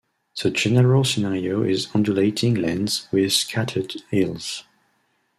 The general scenario is undulating land with scattered hills.